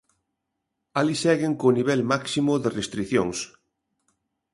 Alí seguen co nivel máximo de restricións.